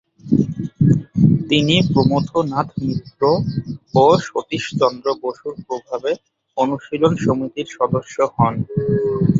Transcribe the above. তিনি প্রমথনাথ মিত্র ও সতীশচন্দ্র বসুর প্রভাবে অনুশীলন সমিতির সদস্য হন।